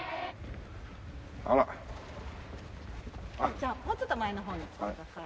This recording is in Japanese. じゃあもうちょっと前の方に来てください。